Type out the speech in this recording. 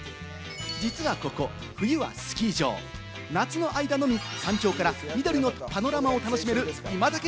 実はここ、冬はスキー場、夏の間のみ、山頂から緑のパノラマを楽しめる今どき